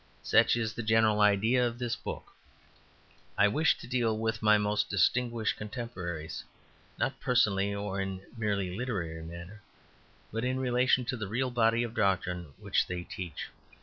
Such is the general idea of this book. I wish to deal with my most distinguished contemporaries, not personally or in a merely literary manner, but in relation to the real body of doctrine which they teach.